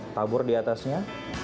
tabur di atasnya